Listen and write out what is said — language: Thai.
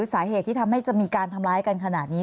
สาเหตุที่ทำให้จะมีการทำร้ายกันขนาดนี้